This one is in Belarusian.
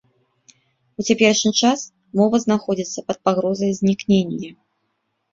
У цяперашні час мова знаходзіцца пад пагрозай знікнення.